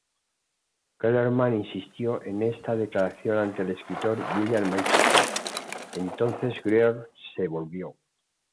Kellerman insistió en esta declaración ante el escritor William Manchester: ""Entonces Greer se volvió.